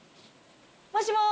もしもし！